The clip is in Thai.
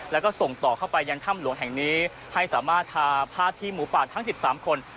แล้วก็ส่งต่อเข้าไปยังถ้ำหลวงแห่งนี้ให้สามารถทาภาพที่หมูป่าทั้ง๑๓คน